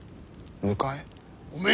迎え？